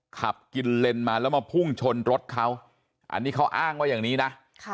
ขับกินเลนมาแล้วมาพุ่งชนรถเขาอันนี้เขาอ้างว่าอย่างนี้นะ